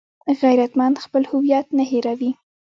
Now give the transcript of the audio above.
غیرتمند خپل هویت نه هېروي